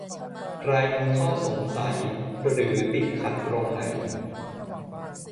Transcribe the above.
ใครมีข้อสงสัย หรือติดขัดตรงไหน